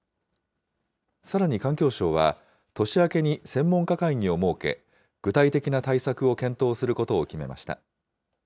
さらに環境省は、年明けに専門家会議を設け、具体的な対策を検討することを決めました。